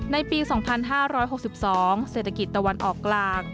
ในปี๒๕๖๒เศรษฐกิจตะวันออกกลาง